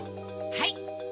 はい！